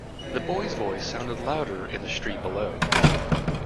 The boy's voice sounded louder in the street below.